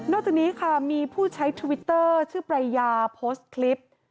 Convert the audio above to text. จากนี้ค่ะมีผู้ใช้ทวิตเตอร์ชื่อปรายยาโพสต์คลิป